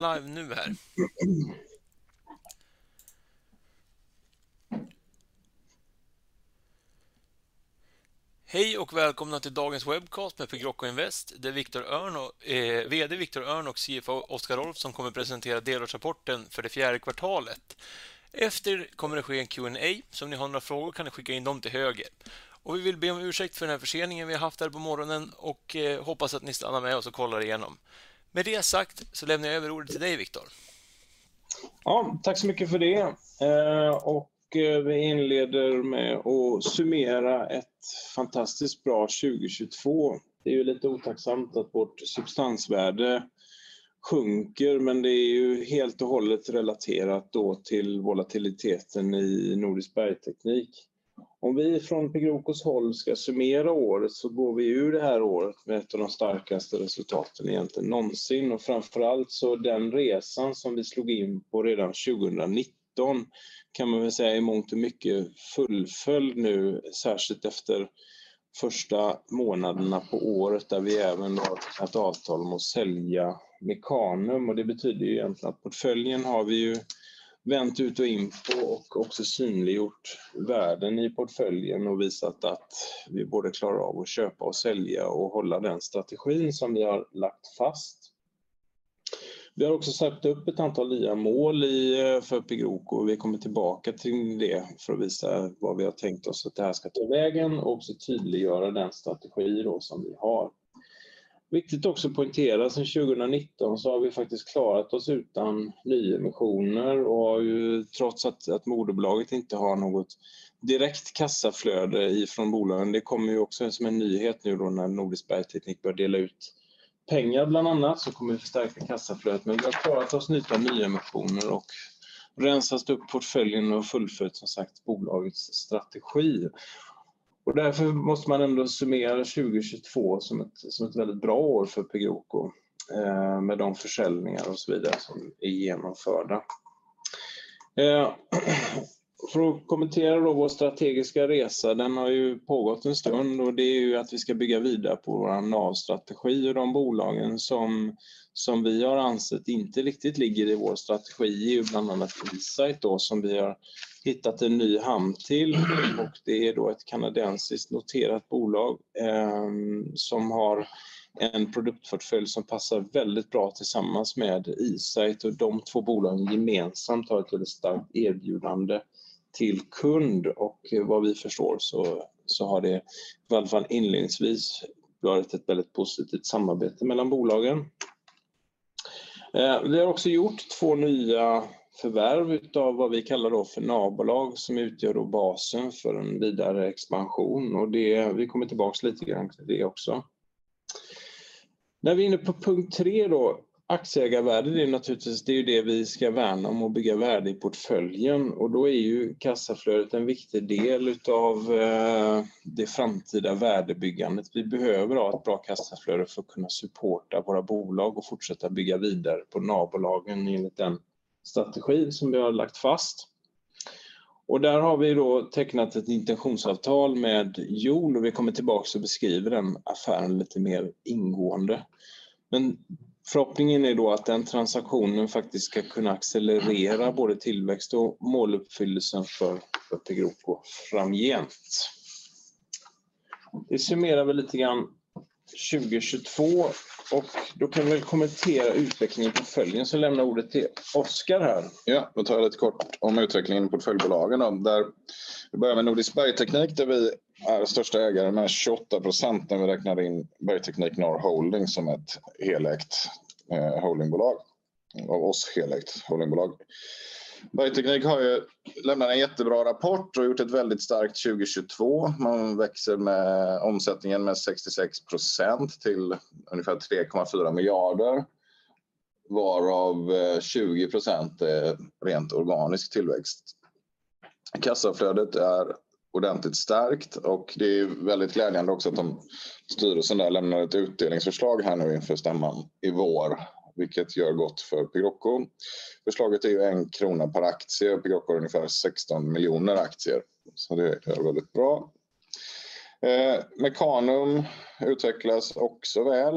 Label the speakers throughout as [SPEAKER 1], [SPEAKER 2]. [SPEAKER 1] Live nu här. Hej och välkomna till dagens webcast med för Pegroco Invest. Det är Victor Öhrn och VD Victor Öhrn och CFO Oscar Rolfsson som kommer presentera delårsrapporten för det fjärde kvartalet. Kommer det ske en Q&A. Om ni har några frågor kan ni skicka in dem till höger. Vi vill be om ursäkt för den här förseningen vi har haft här på morgonen och hoppas att ni stannar med oss och kollar igenom. Med det sagt lämnar jag över ordet till dig, Victor.
[SPEAKER 2] Ja, tack så mycket för det. Vi inleder med att summera ett fantastiskt bra 2022. Det är ju lite otacksamt att vårt substansvärde sjunker, det är ju helt och hållet relaterat då till volatiliteten i Nordisk Bergteknik. Om vi från Pegrocos håll ska summera året går vi ur det här året med ett av de starkaste resultaten egentligen någonsin. Framför allt den resan som vi slog in på redan 2019 kan man väl säga i mångt och mycket fullföljd nu, särskilt efter första månaderna på året där vi även har ett avtal om att sälja Mechanum. Det betyder ju egentligen att portföljen har vi ju vänt ut och in på och också synliggjort värden i portföljen och visat att vi både klarar av att köpa och sälja och hålla den strategin som vi har lagt fast. Vi har också satt upp ett antal nya mål för Pegroco. Vi kommer tillbaka till det för att visa vad vi har tänkt oss att det här ska ta vägen och också tydliggöra den strategi som vi har. Viktigt också att poängtera, sen 2019 så har vi faktiskt klarat oss utan nyemissioner och har trots att moderbolaget inte har något direkt kassaflöde ifrån bolagen. Det kommer också som en nyhet nu när Nordisk Bergteknik börjar dela ut pengar bland annat. Vi kommer förstärka kassaflödet. Vi har klarat oss nytt av nyemissioner och rensat upp portföljen och fullföljt som sagt bolagets strategi. Därför måste man ändå summera 2022 som ett väldigt bra år för Pegroco med de försäljningar och så vidare som är genomförda. För att kommentera då vår strategiska resa, den har ju pågått en stund och det är ju att vi ska bygga vidare på vår navstrategi och de bolagen som vi har ansett inte riktigt ligger i vår strategi är ju bland annat för eSight då, som vi har hittat en ny hamn till. Det är då ett kanadensiskt noterat bolag som har en produktportfölj som passar väldigt bra tillsammans med eSight och de two bolagen gemensamt har ett väldigt starkt erbjudande till kund. Vad vi förstår så har det i alla fall inledningsvis varit ett väldigt positivt samarbete mellan bolagen. Vi har också gjort two nya förvärv utav vad vi kallar då för navbolag som utgör då basen för en vidare expansion. Vi kommer tillbaka lite grann till det också. När vi är inne på punkt tre då, aktieägarvärde, det är naturligtvis, det är ju det vi ska värna om och bygga värde i portföljen. Då är ju kassaflödet en viktig del utav det framtida värdebyggandet. Vi behöver ha ett bra kassaflöde för att kunna supporta våra bolag och fortsätta bygga vidare på navbolagen enligt den navstrategin som vi har lagt fast. Där har vi då tecknat ett intentionsavtal med JOOL Group och vi kommer tillbaka och beskriver den affären lite mer ingående. Förhoppningen är då att den transaktionen faktiskt ska kunna accelerera både tillväxt och måluppfyllelsen för Pegroco framgent. Det summerar väl lite grann 2022 och då kan vi väl kommentera utvecklingen i portföljen. Lämnar jag ordet till Oscar här.
[SPEAKER 1] Tar jag lite kort om utvecklingen i portföljbolagen då där vi börjar med Nordisk Bergteknik, där vi är största ägare med 28% när vi räknar in Bergteknik North Holding som ett helägt holdingbolag, av oss helägt holdingbolag. Bergteknik har ju lämnat en jättebra rapport och gjort ett väldigt starkt 2022. Man växer med omsättningen med 66% till ungefär 3.4 billion, varav 20% är rent organisk tillväxt. Kassaflödet är ordentligt stärkt och det är väldigt glädjande också styrelsen där lämnar ett utdelningsförslag här nu inför stämman i vår, vilket gör gott för Pegroco. Förslaget är ju 1 SEK per aktie. Pegroco har ungefär 16 million aktier. Det är väldigt bra. Mechanum utvecklas också väl.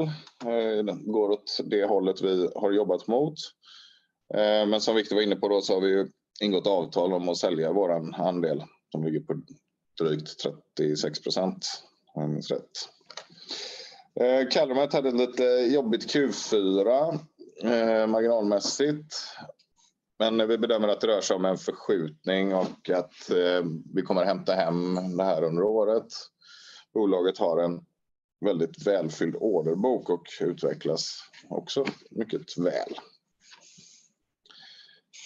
[SPEAKER 1] Den går åt det hållet vi har jobbat mot. Som Victor var inne på då så har vi ju ingått avtal om att sälja vår andel som ligger på drygt 36% om jag minns rätt. Calormet hade ett lite jobbigt Q4, marginalmässigt, vi bedömer att det rör sig om en förskjutning och att vi kommer hämta hem det här under året. Bolaget har en väldigt välfylld orderbok och utvecklas också mycket väl.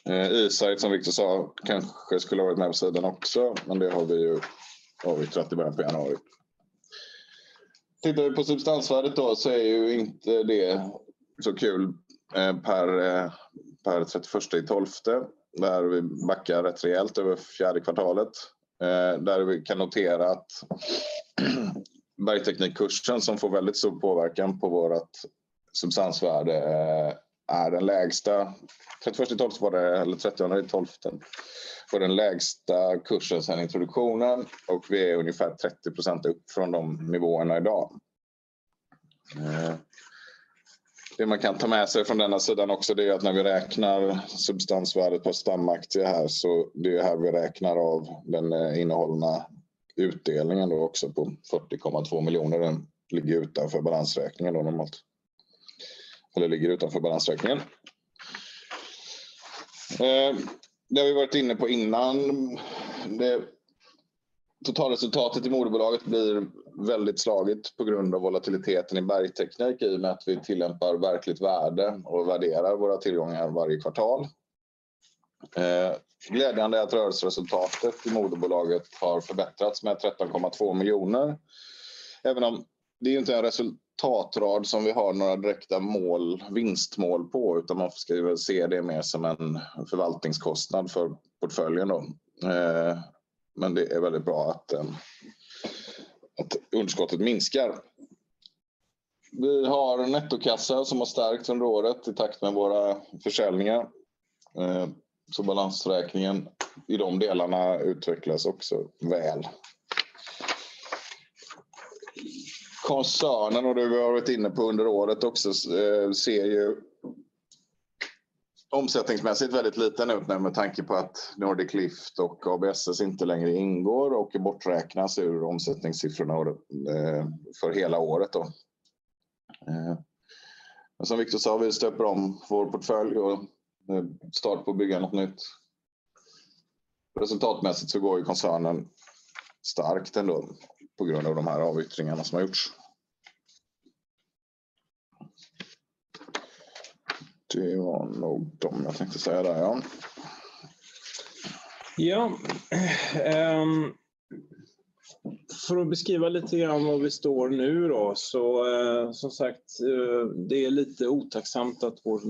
[SPEAKER 1] eSight som Victor sa kanske skulle ha varit med på sidan också, det har vi ju avyttrat i början på januari. Tittar vi på substansvärdet då är ju inte det så kul per 31/12. Där vi backar rätt rejält över fjärde kvartalet. Där vi kan notera att Bergteknik-kursen som får väldigt stor påverkan på vårt substansvärde är den lägsta. Trettioförsta tolfte var det, eller trettionde tolfteFör den lägsta kursen sedan introduktionen och vi är ungefär trettio procent upp från de nivåerna i dag. Eh, det man kan ta med sig från denna sidan också det är att när vi räknar substansvärdet på stamaktier här så, det är här vi räknar av den innehållna utdelningen då också på fyrtio komma två miljoner. Den ligger utanför balansräkningen då normalt. Eller ligger utanför balansräkningen. Eh, det har vi varit inne på innan. Det totalresultatet i moderbolaget blir väldigt slagit på grund av volatiliteten i Bergteknik i och med att vi tillämpar verkligt värde och värderar våra tillgångar varje kvartal. Eh, glädjande är att rörelseresultatet i moderbolaget har förbättrats med tretton komma två miljoner. Även om det är inte en resultattrad som vi har några direkta mål, vinstmål på, utan man ska väl se det mer som en förvaltningskostnad för portföljen då. Det är väldigt bra att underskottet minskar. Vi har nettokassa som har stärkts under året i takt med våra försäljningar. Balansräkningen i de delarna utvecklas också väl. Koncernen och det vi har varit inne på under året också, ser ju omsättningsmässigt väldigt liten ut med tanke på att Nordic Lift och ABSS inte längre ingår och borträknas ur omsättningssiffrorna för hela året då. Som Viktor sa, vi släpper om vår portfölj och start på att bygga något nytt. Resultatmässigt så går ju koncernen starkt ändå på grund av de här avyttringarna som har gjorts. Det var nog dem jag tänkte säga där, ja.
[SPEAKER 2] För att beskriva lite grann var vi står nu då. Som sagt, det är lite otacksamt att vår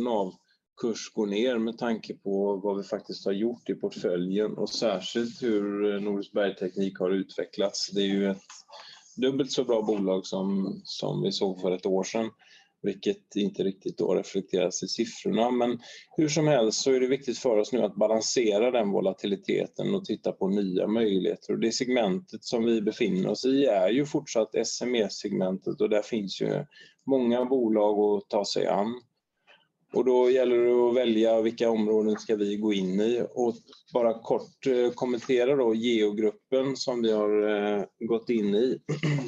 [SPEAKER 2] NAV-kurs går ner med tanke på vad vi faktiskt har gjort i portföljen och särskilt hur Nordisk Bergteknik har utvecklats. Det är ju ett dubbelt så bra bolag som vi såg för ett år sedan, vilket inte riktigt då reflekteras i siffrorna. Hur som helst så är det viktigt för oss nu att balansera den volatiliteten och titta på nya möjligheter. Det segmentet som vi befinner oss i är ju fortsatt SME-segmentet och där finns ju många bolag att ta sig an. Då gäller det att välja vilka områden ska vi gå in i och bara kort kommentera då Geogruppen som vi har gått in i.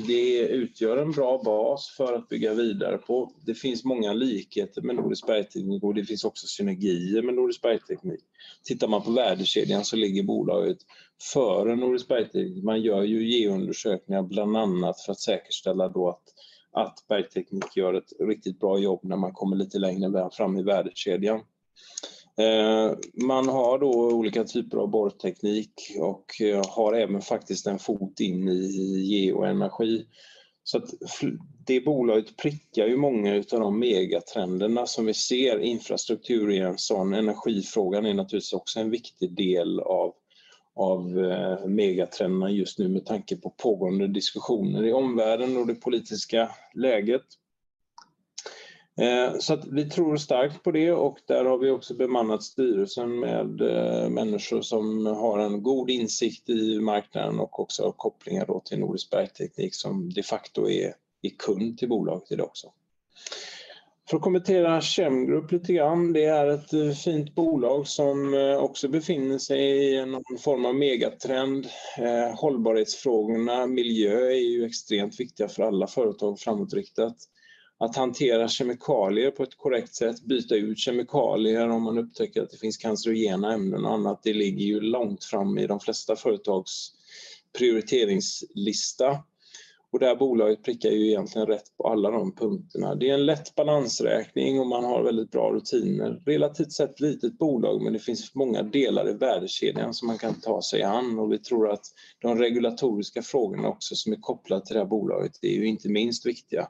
[SPEAKER 2] Det utgör en bra bas för att bygga vidare på. Det finns många likheter med Nordisk Bergteknik och det finns också synergier med Nordisk Bergteknik. Tittar man på värdekedjan så ligger bolaget före Nordisk Bergteknik. Man gör ju geoundersökningar bland annat för att säkerställa då att Bergteknik gör ett riktigt bra jobb när man kommer lite längre fram i värdekedjan. Man har då olika typer av borrteknik och har även faktiskt en fot in i geoenergi. Det bolaget prickar ju många utav de megatrenderna som vi ser. Infrastruktur är en sådan, energifrågan är naturligtvis också en viktig del av megatrenderna just nu med tanke på pågående diskussioner i omvärlden och det politiska läget. Vi tror starkt på det och där har vi också bemannat styrelsen med människor som har en god insikt i marknaden och också kopplingar då till Nordisk Bergteknik som de facto är kund till bolaget i dag också. För att kommentera Chemgroup lite grann, det är ett fint bolag som också befinner sig i någon form av megatrend. Hållbarhetsfrågorna, miljö är ju extremt viktiga för alla företag framåtriktat. Att hantera kemikalier på ett korrekt sätt, byta ut kemikalier om man upptäcker att det finns cancerogena ämnen och annat, det ligger ju långt fram i de flesta företags prioriteringslista. Det här bolaget prickar ju egentligen rätt på alla de punkterna. Det är en lätt balansräkning och man har väldigt bra rutiner. Relativt sett litet bolag, men det finns många delar i värdekedjan som man kan ta sig an. Vi tror att de regulatoriska frågorna också som är kopplat till det här bolaget, det är ju inte minst viktiga.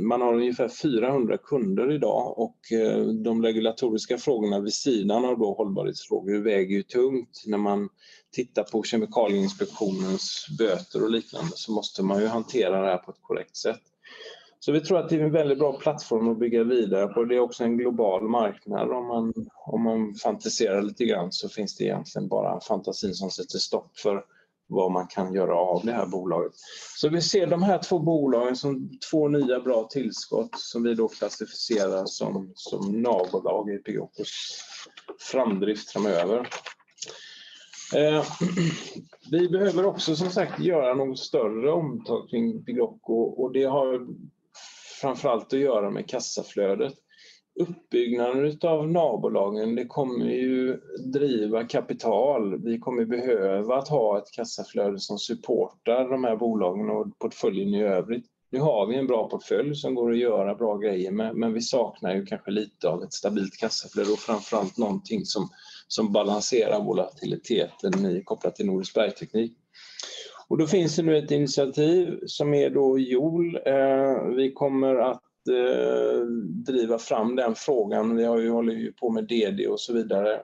[SPEAKER 2] Man har ungefär 400 kunder i dag och de regulatoriska frågorna vid sidan av då hållbarhetsfrågor väger ju tungt. När man tittar på Kemikalieinspektionens böter och liknande måste man ju hantera det här på ett korrekt sätt. Vi tror att det är en väldigt bra plattform att bygga vidare på. Det är också en global marknad. Om man fantiserar lite grann så finns det egentligen bara fantasin som sätter stopp för vad man kan göra av det här bolaget. Vi ser de här två bolagen som två nya bra tillskott som vi då klassificerar som navbolag i Navigo Invests framdrift framöver. Vi behöver också som sagt göra något större omtag kring Navigo Invest och det har framför allt att göra med kassaflödet. Uppbyggnaden utav navbolagen, det kommer ju driva kapital. Vi kommer behöva att ha ett kassaflöde som supportar de här bolagen och portföljen i övrigt. Nu har vi en bra portfölj som går att göra bra grejer med, men vi saknar ju kanske lite av ett stabilt kassaflöde och framför allt någonting som balanserar volatiliteten kopplat till Nordisk Bergteknik. Då finns det nu ett initiativ som är då JOOL. Vi kommer att driva fram den frågan. Vi håller ju på med DD och så vidare.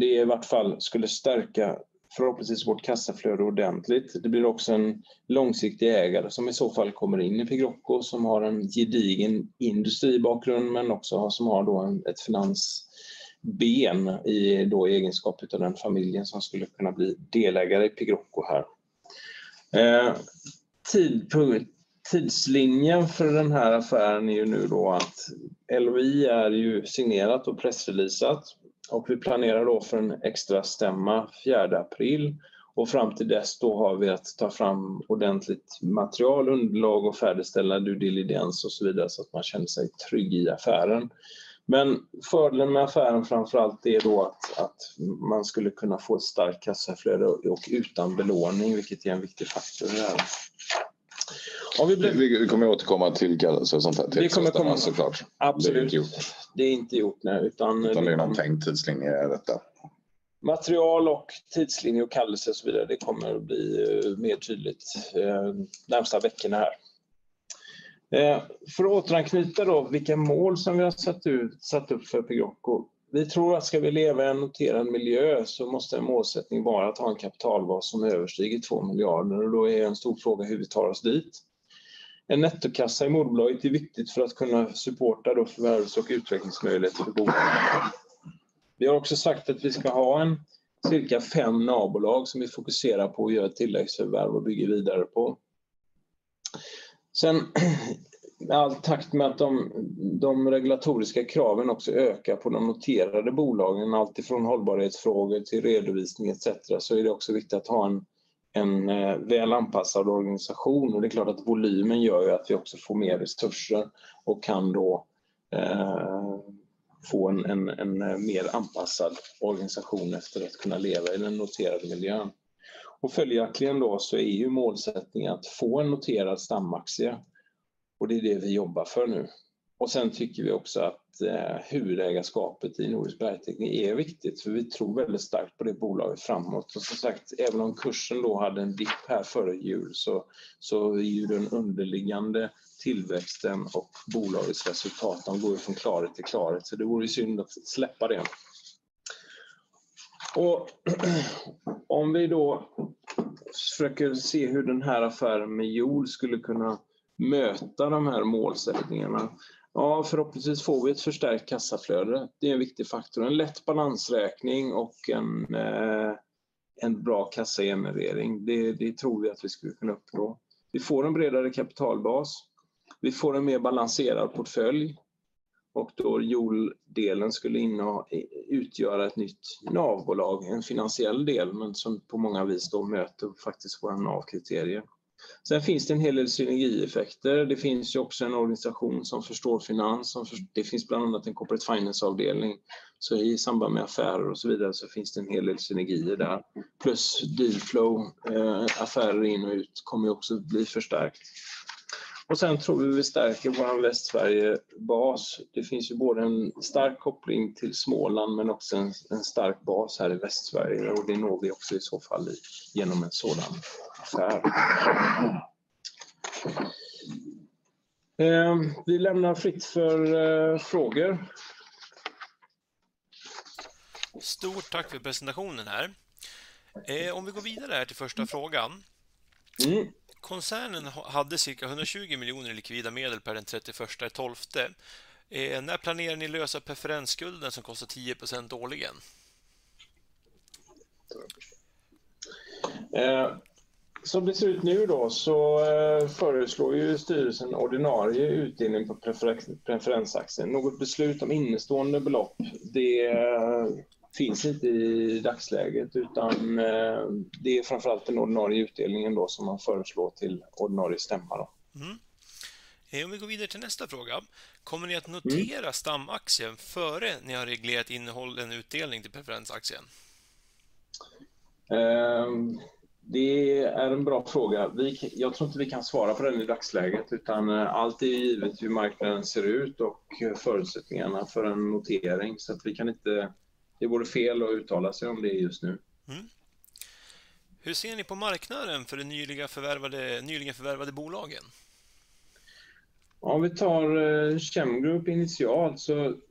[SPEAKER 2] Det är i vart fall skulle stärka förhoppningsvis vårt kassaflöde ordentligt. Det blir också en långsiktig ägare som i så fall kommer in i Pegroco som har en gedigen industribakgrund men också som har då ett finansben i då egenskap utav den familjen som skulle kunna bli delägare i Pegroco här. Tidpunkt, tidslinjen för den här affären är ju nu då att LOI är ju signerat och pressreleasat. Vi planerar då för en extra stämma fjärde april och fram till dess då har vi att ta fram ordentligt material, underlag och färdigställa due diligence och så vidare så att man känner sig trygg i affären. Fördelen med affären framför allt är då att man skulle kunna få ett starkt kassaflöde och utan belåning, vilket är en viktig faktor i det här.
[SPEAKER 1] Vi kommer återkomma till kallelse och sånt där till extra stämman så klart.
[SPEAKER 2] Absolut.
[SPEAKER 1] Det är inte gjort.
[SPEAKER 2] Det är inte gjort nej.
[SPEAKER 1] Utan det är någon tänkt tidslinje i detta.
[SPEAKER 2] Material och tidslinje och kallelse och så vidare, det kommer att bli mer tydligt närmsta veckorna här. Vilka mål som vi har satt upp för Pegroco. Vi tror att ska vi leva i en noterad miljö så måste en målsättning vara att ha en kapitalbas som överstiger 2 billion. Då är en stor fråga hur vi tar oss dit. En nettokassa i moderbolaget är viktigt för att kunna supporta då förvärvs- och utvecklingsmöjligheter för bolagen. Vi har också sagt att vi ska ha en cirka 5 navbolag som vi fokuserar på att göra ett tilläggsförvärv och bygger vidare på. I allt takt med att de regulatoriska kraven också ökar på de noterade bolagen, alltifrån hållbarhetsfrågor till redovisning et cetera, så är det också viktigt att ha en väl anpassad organisation. Det är klart att volymen gör ju att vi också får mer resurser och kan då få en mer anpassad organisation efter att kunna leva i den noterade miljön. Följaktligen då så är ju målsättningen att få en noterad stamaktie och det är det vi jobbar för nu. Sen tycker vi också att huvudägarskapet i Nordisk Bergteknik är viktigt för vi tror väldigt starkt på det bolaget framåt. Som sagt, även om kursen då hade en dipp här före jul så är ju den underliggande tillväxten och bolagets resultat, de går ju från klarhet till klarhet. Det vore ju synd att släppa det. Om vi då försöker se hur den här affären med JOOL skulle kunna möta de här målsättningarna. Ja, förhoppningsvis får vi ett förstärkt kassaflöde. Det är en viktig faktor. En lätt balansräkning och en bra kassagenerering. Det tror vi att vi skulle kunna uppnå. Vi får en bredare kapitalbas. Vi får en mer balanserad portfölj och då JOOL-delen skulle inneha, utgöra ett nytt navbolag, en finansiell del, men som på många vis då möter faktiskt våra NAV-kriterier. Sen finns det en hel del synergieffekter. Det finns ju också en organisation som förstår finans, som för-- Det finns bland annat en corporate finance-avdelning. I samband med affärer och så vidare så finns det en hel del synergier där. Plus deal flow, affärer in och ut kommer ju också bli förstärkt. Sen tror vi vi stärker vår Västsverige-bas. Det finns ju både en stark koppling till Småland, men också en stark bas här i Västsverige och det når vi också i så fall genom en sådan affär. Vi lämnar fritt för frågor.
[SPEAKER 3] Stort tack för presentationen här. Vi går vidare här till första frågan. Koncernen hade cirka SEK 120 million i likvida medel per den 31st December. När planerar ni lösa preferensskulden som kostar 10% årligen?
[SPEAKER 2] Som det ser ut nu då så föreslår ju styrelsen ordinarie utdelning på preferensaktien. Något beslut om innestående belopp, det finns inte i dagsläget, utan det är framför allt den ordinarie utdelningen då som man föreslår till ordinarie stämma då.
[SPEAKER 3] Hej om vi går vidare till nästa fråga. Kommer ni att notera stamaktien före ni har reglerat innehållen utdelning till preferensaktien?
[SPEAKER 2] Det är en bra fråga. Jag tror inte vi kan svara på den i dagsläget, utan allt är givet hur marknaden ser ut och förutsättningarna för en notering. Vi kan inte. Det vore fel att uttala sig om det just nu.
[SPEAKER 3] Hur ser ni på marknaden för det nyligen förvärvade bolagen?
[SPEAKER 2] Om vi tar Chemgroup initialt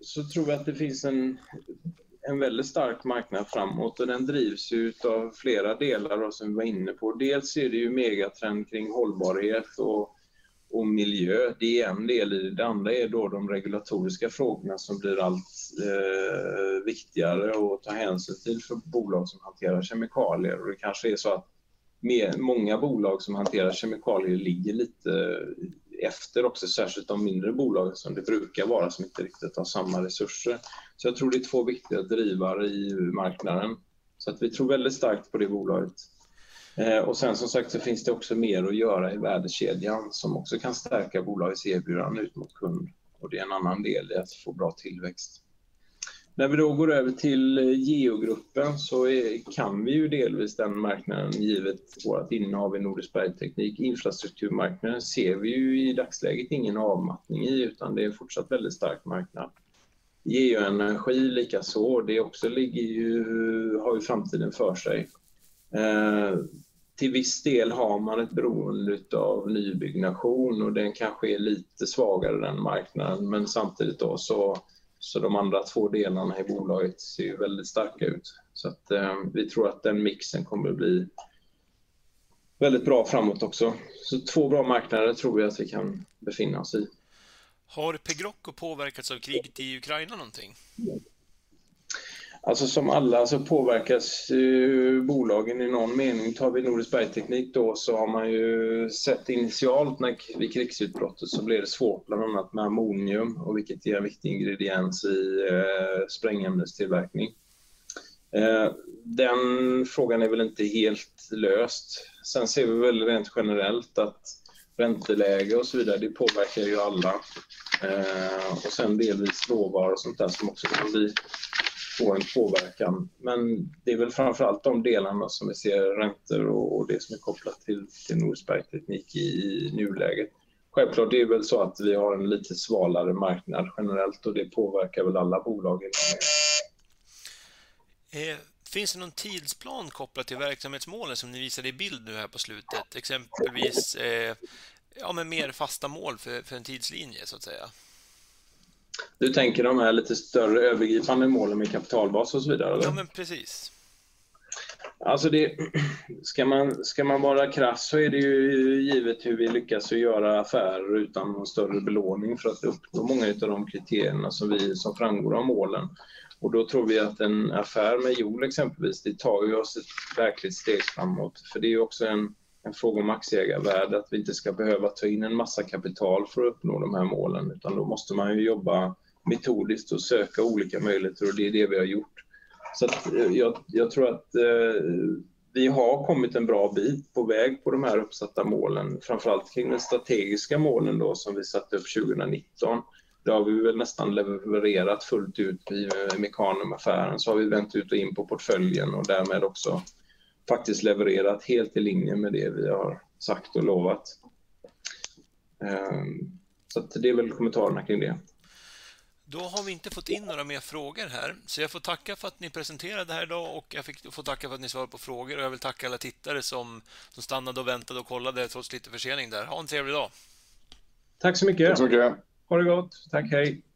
[SPEAKER 2] så tror vi att det finns en väldigt stark marknad framåt och den drivs ju utav flera delar som vi var inne på. Dels är det ju megatrend kring hållbarhet och miljö. Det är en del i det. Det andra är då de regulatoriska frågorna som blir allt viktigare att ta hänsyn till för bolag som hanterar kemikalier. Det kanske är så att Många bolag som hanterar kemikalier ligger lite efter också, särskilt de mindre bolag som det brukar vara, som inte riktigt har samma resurser. Jag tror det är två viktiga drivare i marknaden. Vi tror väldigt starkt på det bolaget. Sen som sagt, så finns det också mer att göra i värdekedjan som också kan stärka bolagets erbjudande ut mot kund. Det är en annan del i att få bra tillväxt. När vi då går över till Geogruppen så kan vi ju delvis den marknaden givet vårt innehav i Nordisk Bergteknik. Infrastrukturmarknaden ser vi ju i dagsläget ingen avmattning i, utan det är fortsatt väldigt stark marknad. Geoenergi likaså. Det också har ju framtiden för sig. Till viss del har man ett beroende utav nybyggnation och den kanske är lite svagare den marknaden. Samtidigt då så de andra två delarna i bolaget ser väldigt starka ut. Vi tror att den mixen kommer bli väldigt bra framåt också. Två bra marknader tror vi att vi kan befinna oss i.
[SPEAKER 3] Har Pegroco påverkats av kriget i Ukraine någonting?
[SPEAKER 2] Som alla så påverkas ju bolagen i någon mening. Tar vi Nordisk Bergteknik då så har man ju sett initialt när, vid krigsutbrottet så blev det svårt bland annat med ammonium och vilket är en viktig ingrediens i sprängämnestillverkning. Den frågan är väl inte helt löst. Vi ser väl rent generellt att ränteläge och så vidare, det påverkar ju alla. Och sen delvis råvaror och sånt där som också få en påverkan. Det är väl framför allt de delarna som vi ser räntor och det som är kopplat till Nordisk Bergteknik i nuläget. Självklart, det är väl så att vi har en lite svalare marknad generellt och det påverkar väl alla bolag.
[SPEAKER 3] Finns det någon tidsplan kopplat till verksamhetsmålen som ni visade i bild nu här på slutet? Exempelvis, ja med mer fasta mål för en tidslinje så att säga.
[SPEAKER 2] Du tänker de här lite större övergripande målen med kapitalbas och så vidare då?
[SPEAKER 3] Ja, men precis.
[SPEAKER 2] Ska man, ska man vara krass så är det ju givet hur vi lyckas att göra affärer utan någon större belåning för att uppnå många utav de kriterierna som framgår av målen. Då tror vi att en affär med JOOL exempelvis, det tar ju oss ett verkligt steg framåt. Det är också en fråga om aktieägarvärde att vi inte ska behöva ta in en massa kapital för att uppnå de här målen, utan då måste man ju jobba metodiskt och söka olika möjligheter och det är det vi har gjort. Jag, jag tror att vi har kommit en bra bit på väg på de här uppsatta målen, framför allt kring de strategiska målen då som vi satte upp 2019. Det har vi väl nästan levererat fullt ut via Mechanum-affären. Har vi vänt ut och in på portföljen och därmed också faktiskt levererat helt i linje med det vi har sagt och lovat. Det är väl kommentarerna kring det.
[SPEAKER 3] Då har vi inte fått in några mer frågor här. Jag får tacka för att ni presenterade här i dag och jag får tacka för att ni svarade på frågor. Jag vill tacka alla tittare som stannade och väntade och kollade trots lite försening där. Ha en trevlig dag.
[SPEAKER 2] Tack så mycket.
[SPEAKER 1] Tack så mycket.
[SPEAKER 2] Ha det gott. Tack, hej.